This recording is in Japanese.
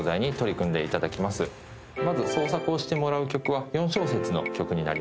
まず創作をしてもらう曲は４小節の曲になります。